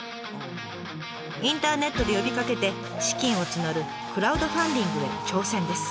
インターネットで呼びかけて資金を募るクラウドファンディングへの挑戦です。